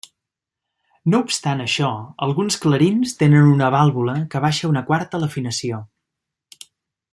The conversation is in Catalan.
No obstant això, alguns clarins tenen una vàlvula que baixa una quarta l'afinació.